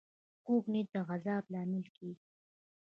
کوږ نیت د عذاب لامل کېږي